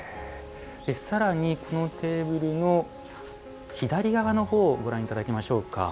さらにこのテーブルの左側の方をご覧いただきましょう。